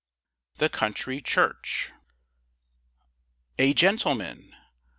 THE COUNTRY CHURCH. A gentleman!